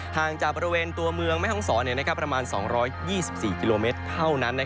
ห่างจากบริเวณตัวเมืองแม่ห้องศรประมาณ๒๒๔กิโลเมตรเท่านั้น